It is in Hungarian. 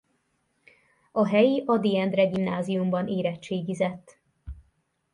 A helyi Ady Endre Gimnáziumban érettségizett.